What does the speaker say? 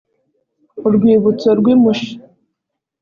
urwibutso rw i musha